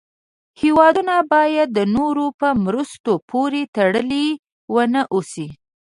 هېوادونه باید د نورو په مرستو پورې تړلې و نه اوسي.